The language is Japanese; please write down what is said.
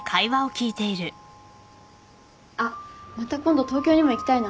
あっまた今度東京にも行きたいな。